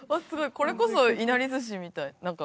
これこそいなり寿司みたいなんか。